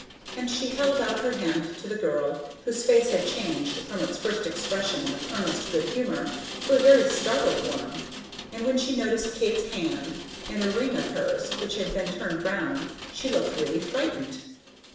And she held out her hand to the girl, whose face had changed from its first expression of earnest good humor to a very startled one; and when she noticed Kate's hand, and a ring of hers, which had been turned round, she looked really frightened.